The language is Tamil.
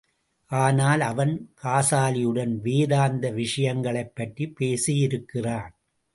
ஆனால் அவன் காசாலியுடன், வேதாந்த விஷயங்களைப் பற்றிப் பேசியிருக்கிறான்.